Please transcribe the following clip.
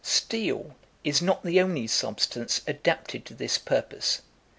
Steel is not the only substance adapted to this purpose.